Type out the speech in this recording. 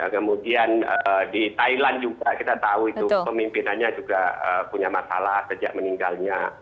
kemudian di thailand juga kita tahu itu pemimpinannya juga punya masalah sejak meninggalnya